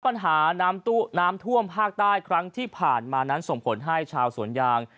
ปัญหาน้ำน้ำท่วมภาคใต้ครั้งที่ผ่านมานั้นส่งผลให้ชาวสวนยาง